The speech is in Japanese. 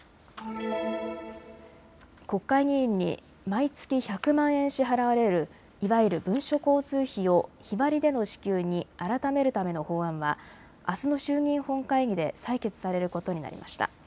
国会議員に毎月１００万円支払われる、いわゆる文書交通費を日割りでの支給に改めるための法案はあすの衆議院本会議で採決されることになりました。